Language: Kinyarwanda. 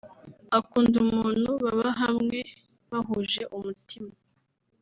Akunda umuntu baba hamwe bahuje umutima